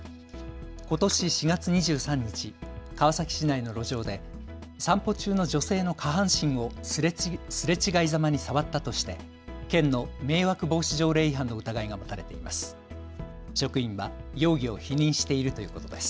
ことし４月２３日、川崎市内の路上で散歩中の女性の下半身をすれ違いざまに触ったとして県の迷惑防止条例違反の疑いが持たれています。